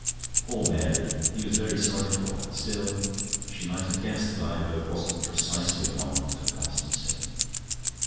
"Poor Mary!" He was very sorry for her. Still, she might have guessed that Ivor wasn't precisely a monument of constancy.